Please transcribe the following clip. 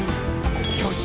「よし！